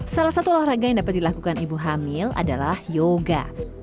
salah satu olahraga yang dapat dilakukan ibu hamil adalah yoga